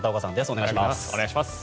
お願いします。